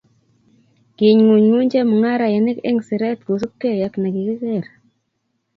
Kiing'unyng'uny chemung'arainik eng siret kosupgei ako ne kikiker.